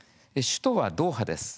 首都はドーハです。